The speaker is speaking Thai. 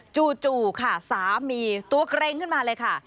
จู่ค่ะสามีตัวเกร็งขึ้นมาเลยค่ะ